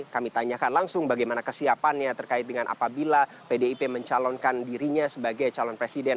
kami tanyakan langsung bagaimana kesiapannya terkait dengan apabila pdip mencalonkan dirinya sebagai calon presiden